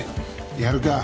やるか。